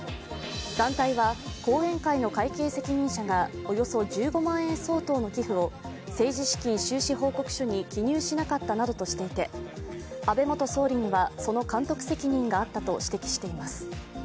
団体は後援会の会計責任者がおよそ１５万円相当の寄付を政治資金収支報告書に記入しなかったなどとしていて安倍元総理にはその監督責任があったと指摘しています。